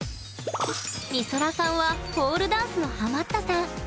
みそらさんはポールダンスのハマったさん。